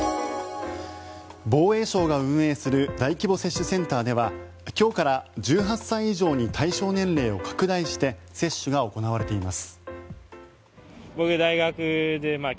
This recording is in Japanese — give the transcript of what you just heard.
防衛省が運営する大規模接種センターでは今日から１８歳以上に対象年齢を拡大して接種が行われています。